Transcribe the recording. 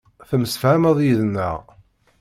Temsefhameḍ yid-neɣ.